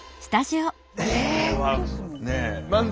え？